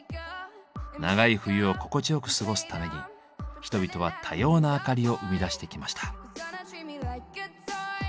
長い冬を心地よく過ごすために人々は多様な明かりを生み出してきました。